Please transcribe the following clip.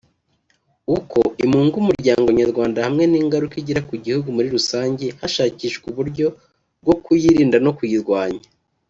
uko imunga umuryango nyarwanda hamwe n’ingaruka igira ku gihugu muri rusange hashakishwa uburyo bwo kuyirinda no kuyirwanya